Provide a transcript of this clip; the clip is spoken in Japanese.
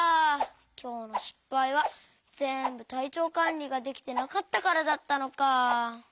きょうのしっぱいはぜんぶたいちょうかんりができてなかったからだったのか。